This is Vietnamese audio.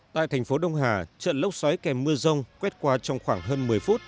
tại thành phố đông hà trận lốc xoáy kèm mưa rông quét qua trong khoảng hơn một mươi phút